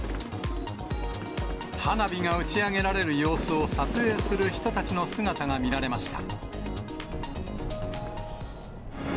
花火が打ち上げられる様子を撮影する人たちの姿が見られました。